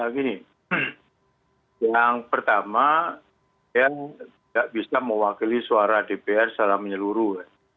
gini yang pertama saya tidak bisa mewakili suara dpr secara menyeluruh ya